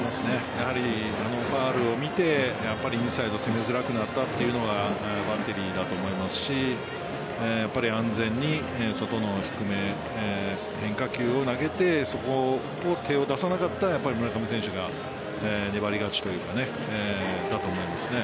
やはりあのファウルを見てインサイドを攻めづらくなったというのがバッテリーだと思いますしやっぱり安全に外の低め変化球を投げてそこに手を出さなかった村上選手が粘り勝ちというかだと思います。